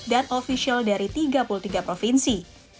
dan ofisial dari tiga puluh tiga provinsi